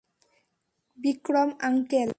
Vikram, uncle.